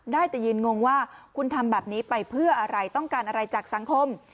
ได้แต่ยืนงงว่าคุณทำแบบนี้ไปเพื่ออะไรต้องการอะไรจากสังคม